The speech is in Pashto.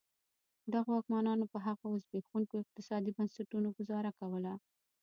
دغو واکمنانو په هغه زبېښونکو اقتصادي بنسټونو ګوزاره کوله.